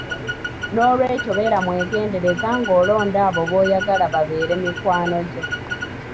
N’olwekyo beera mwegendereza ng’olonda abo b’oyagala babeere mikwano gyo.